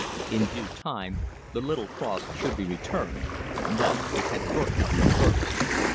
In due time the little cross should be returned, but it had work to do first.